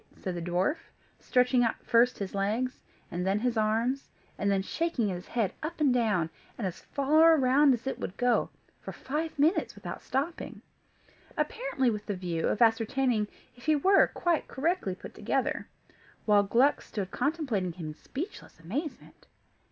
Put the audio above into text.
said the dwarf, stretching out first his legs, and then his arms, and then shaking his head up and down, and as far round as it would go, for five minutes without stopping; apparently with the view of ascertaining if he were quite correctly put together, while Gluck stood contemplating him in speechless amazement.